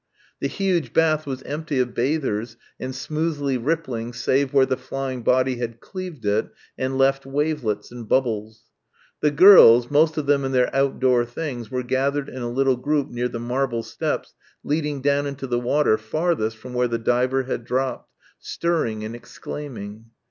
The huge bath was empty of bathers and smoothly rippling save where the flying body had cleaved it and left wavelets and bubbles. The girls most of them in their outdoor things were gathered in a little group near the marble steps leading down into the water farthest from where the diver had dropped, stirring and exclaiming.